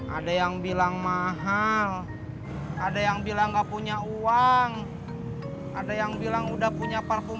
ada yang bilang mahal ada yang bilang nggak punya uang ada yang bilang udah punya parfum